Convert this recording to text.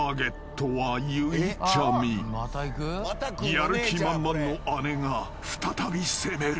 ［やる気満々の姉が再び攻める］